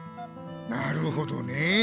なるほどねえ。